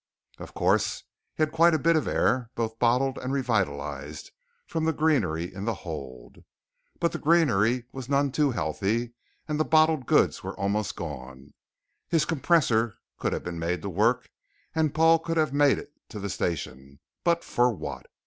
Of course he had quite a bit of air, both bottled and revitalized from the greenery in the hold. But the greenery was none too healthy and the bottled goods was almost gone. His compressor could have been made to work and Paul could have made it to the station, but for what?